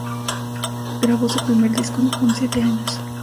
Grabó su primer disco con siete años.